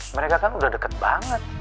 mereka kan udah deket banget